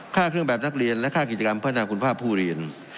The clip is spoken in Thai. ค่าเครื่องแบบนักเรียนและค่ากิจกรรมพัฒนาคุณภาพผู้เรียน